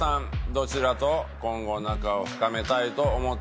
どちらと今後仲を深めたいと思ったのでしょうか？